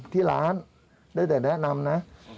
ที่ร้านได้แต่แนะนำนะ